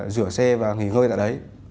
rửa xe và nghỉ ngơi tại đấy